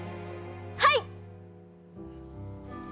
はい！